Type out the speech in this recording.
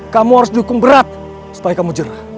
kamu harus dukung berat supaya kamu jera